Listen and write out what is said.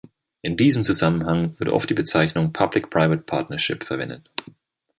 In diesem Zusammenhang wird oft die Bezeichnung Public Private Partnership verwendet.